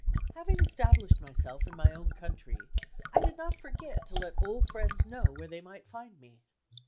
Having established myself in my own country, I did not forget to let old friends know where they might find me.